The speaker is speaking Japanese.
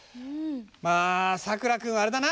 まあさくら君はあれだな。